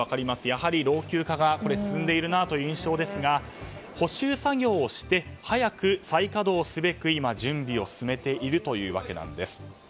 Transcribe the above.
やはり老朽化が進んでいるなという印象ですが補修作業をして早く再稼働すべく今、準備を進めているというわけなんです。